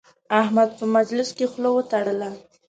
احمد په مجلس کې خول وتړله.